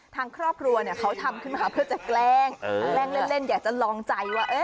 ทางครอบครัวเขาทำขึ้นมาเพื่อจะแกล้งแกล้งเล่นอยากจะลองใจว่า